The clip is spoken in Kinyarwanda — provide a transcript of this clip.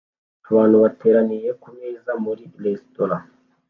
Abantu bateraniye kumeza muri resitora